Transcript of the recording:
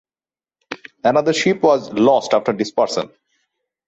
Another ship was lost after dispersal.